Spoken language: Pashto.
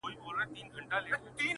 څارنوال او د قاضي که د بابا ده،